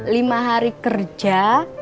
lima hari kerja